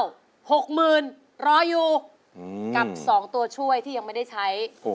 หกหมื่นรออยู่กับ๒ตัวช่วยที่ยังไม่ได้ใช้